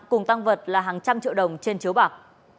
cùng tăng vật là hàng trăm triệu đồng trên chiếu bạc